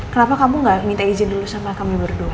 kenapa kamu gak minta izin dulu sama kami berdua